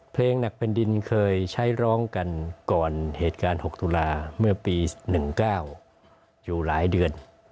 เพลงหนักแผ่นดินเคยใช้ร้องกันก่อนเหตุการณ์๖ตุลาเมื่อปี๑๙อยู่หลายเดือน